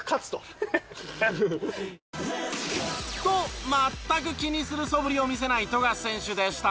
ハハハハ！と全く気にするそぶりを見せない富樫選手でしたが。